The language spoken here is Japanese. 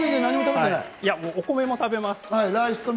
まぁ、お米も食べます。